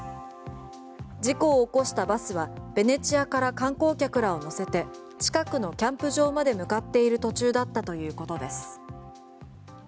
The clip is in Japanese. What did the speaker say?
事故を起こしたバスはベネチアから観光客らを乗せて近くのキャンプ場まで向かっている途中だったということです。